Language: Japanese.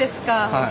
はい。